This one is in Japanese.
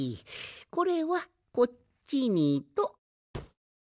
これはこっちにと。